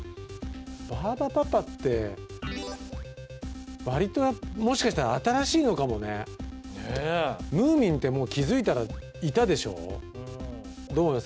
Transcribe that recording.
バーバパパって割ともしかしたら新しいのかもねねえムーミンってもう気づいたらいたでしょどうです？